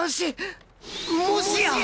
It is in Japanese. もしや！